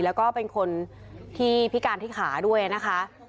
แล้วก็เป็นคนที่พิการที่ขาด้วยนะคะ